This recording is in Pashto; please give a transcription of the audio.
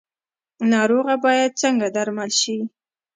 ناروغه باید څنګه درمل شي؟